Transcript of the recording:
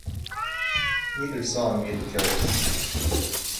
Neither song made the charts.